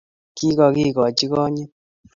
kikakekochi konyit